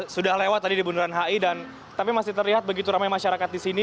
sudah lewat tadi di bundaran hi dan tapi masih terlihat begitu ramai masyarakat di sini